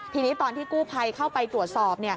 ทีนี้ตอนที่กู้ภัยเข้าไปตรวจสอบ